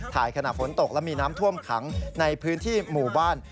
ขณะฝนตกและมีน้ำท่วมขังในพื้นที่หมู่บ้าน